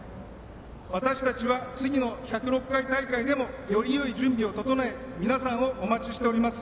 私たちは次の１０６回大会でもよりよい準備を整え皆さんをお待ちしています。